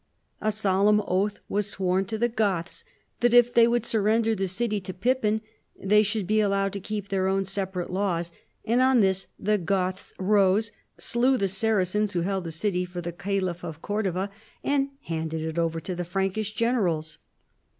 A solemn oath was sworn to the Goths, that if they would surrender the city to Pippin they should be allowed to keep their own separate laws, and on this the Goths rose, slew the Saracens who held the city for the Caliph of Oordova, and handed it over to the Prankish gen erals.